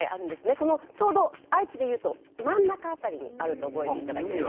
このちょうど愛知で言うと真ん中辺りにあると覚えていただければ。